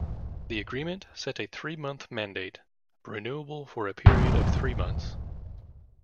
The agreement set a three-month mandate, renewable for a period of three months.